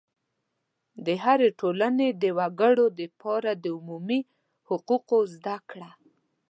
د هرې ټولنې د وګړو دپاره د عمومي حقوقو زده کړه